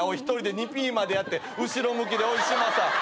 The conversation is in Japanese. １人で２Ｐまでやって後ろ向きでおい嶋佐。